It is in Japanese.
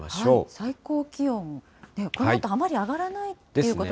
最高気温、このあとあまり上がらないということですよね。